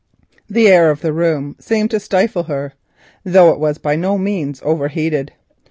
The air of the room seemed to stifle her, though it was by no means overheated.